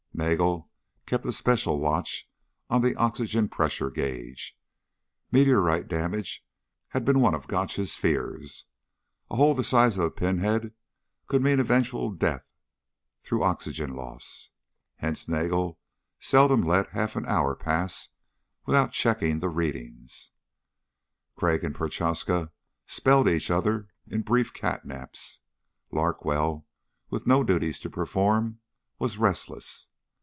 Nagel kept a special watch on the oxygen pressure gauge. Meteorite damage had been one of Gotch's fears. A hole the size of a pinhead could mean eventual death through oxygen loss, hence Nagel seldom let a half hour pass without checking the readings. Crag and Prochaska spelled each other in brief catnaps. Larkwell, with no duties to perform, was restless.